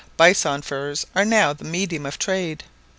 Bison furs are now the medium of trade.